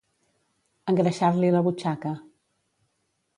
Engreixar-li la butxaca.